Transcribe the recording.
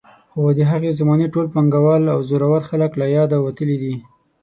خو د هغې زمانې ټول پانګوال او زورور خلک له یاده وتلي دي.